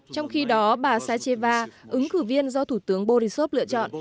trong khi đó bà sacheva ứng cử viên do thủ tướng borisov lựa chọn